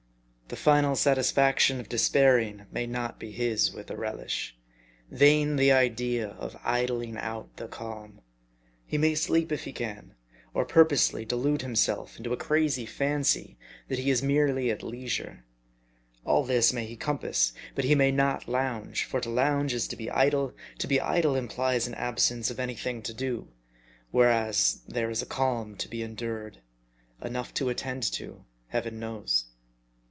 The final satisfaction of despair ing may not be his with a relish. Vain the idea of idling out the calm. He may sleep if he can, or purposely delude himself into a crazy fancy, that he is merely at leisure. All this he may compass ; but he may not lounge ; for to lounge is to be idle ; to be idle implies an absence of any thing to do ; whereas there is a calm to be endured : enough to attend to, Heaven knows.